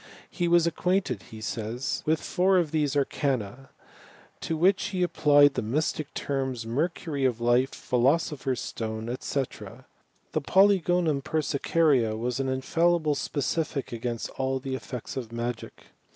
He was acquainted, he says, with four of these arcana, to which he applied the mystic terms, mercury of life, philosopher s stone, &c. The polygonum persicaria was an infallible specific against all the effects of magic.